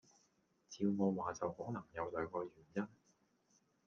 照我話就可能有兩個原因